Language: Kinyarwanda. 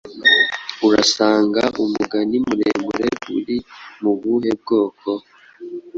urasanga umugani muremure uri mu buhe bwoko